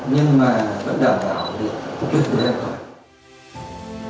nhưng mà vẫn đảm bảo việc phục vụ đại hội